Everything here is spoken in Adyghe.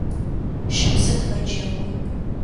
Щамсэт мэджэгу.